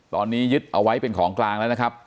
ตอนนี้ยึดเอาไว้เป็นของกลางแล้วนะครับ